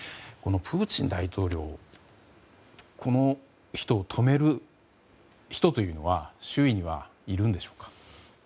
プーチン大統領を止める人というのは周囲にはいるんでしょうか？